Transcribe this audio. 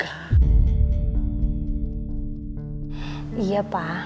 kau bisa mencari afif pak